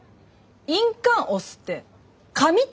印鑑押すって紙ってこと？